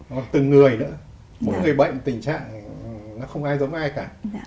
hoặc từng người nữa mỗi người bệnh tình trạng nó không ai giống ai cả